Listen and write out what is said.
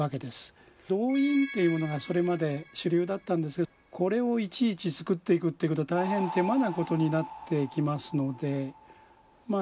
銅印っていうものがそれまで主流だったんですけどこれをいちいち作っていくっていうことは大変手間なことになっていきますのでまあ